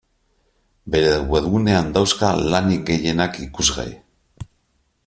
Bere webgunean dauzka lanik gehienak ikusgai.